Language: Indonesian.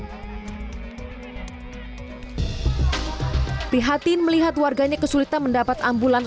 prihatin melihat warganya kesulitan mendapat ambulans